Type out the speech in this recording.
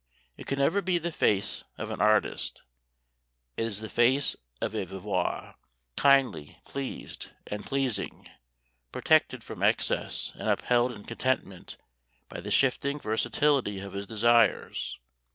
It could never be the face of an artist; it is the face of a viveur kindly, pleased, and pleasing, protected from excess and upheld in contentment by the shifting versatility of his desires.